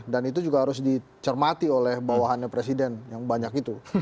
dan itu juga harus dicermati oleh bawahannya presiden yang banyak itu